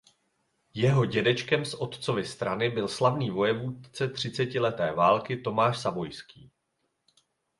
Jeho dědečkem z otcovy strany byl slavný vojevůdce třicetileté války Tomáš Savojský.